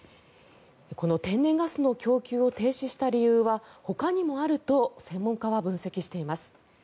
この天然ガスの供給を停止した理由はほかにもあると専門家は分析しています。